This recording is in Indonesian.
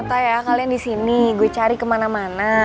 ternyata ya kalian di sini gue cari kemana mana